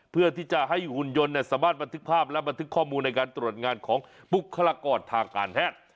เพื่อที่จะให้หุ่นยนต์สามารถบันทึกภาพและบันทึกข้อมูลในการตรวจงานของบุคลากรทางการแพทย์